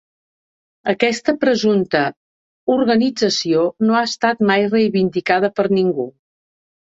Aquesta presumpta organització no ha estat mai reivindicada per ningú.